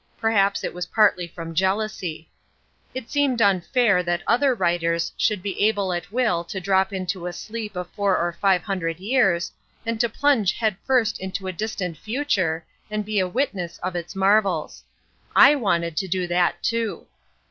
Perhaps it was partly from jealousy. It seemed unfair that other writers should be able at will to drop into a sleep of four or five hundred years, and to plunge head first into a distant future and be a witness of its marvels. I wanted to do that too.